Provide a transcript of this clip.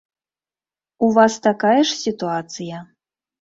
У вас такая ж сітуацыя?